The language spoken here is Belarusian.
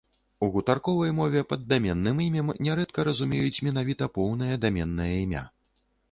У гутарковай мове пад даменным імем нярэдка разумеюць менавіта поўнае даменнае імя.